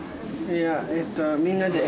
いやえっとみんなで。